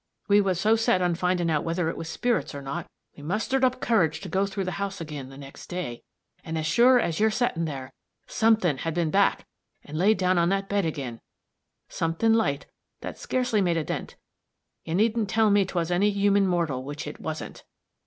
We was so set on findin' out whether it was spirits or not, we mustered up courage to go through the house ag'in the next day, and as sure as you're settin' there, something had been back and laid down on that bed ag'in something light, that scarcely made a dent you needn't tell me't was any human mortal, which it wasn't.